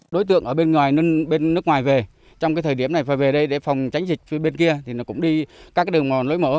đối tượng ở bên ngoài bên nước ngoài về trong cái thời điểm này phải về đây để phòng tránh dịch bên kia thì nó cũng đi các đường mòn lối mở